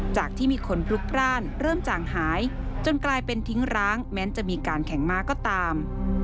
จากที่มีคนพลุกพร่านเริ่มจ่างหายจนกลายเป็นทิ้งร้างแม้จะมีการแข่งม้าก็ตาม